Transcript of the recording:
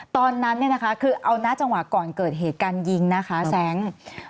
ตอนนั้นเนี่ยนะคะคือเอาหน้าจังหวะก่อนเกิดเหตุการณ์ยิงนะคะแซง